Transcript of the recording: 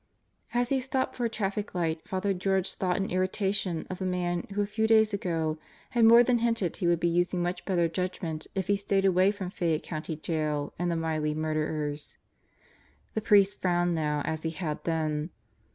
As he stopped for a traffic light Father George thought in irritation of the man who a few days ago had more than hinted he would be using much better judgment if he stayed away from Fayette County Jail and the Miley murderers. The priest frowned now as he had then.